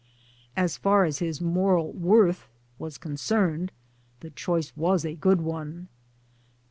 As far as his moral worth was concerned, the choice was a good one.